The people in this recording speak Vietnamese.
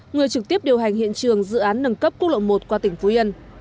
người trực tiếp điều hành hiện trường dự án nâng cấp quốc lộ một qua tỉnh phú yên